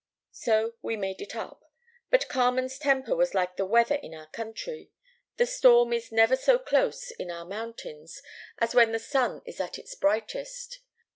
"So we made it up: but Carmen's temper was like the weather in our country. The storm is never so close, in our mountains, as when the sun is at its brightest.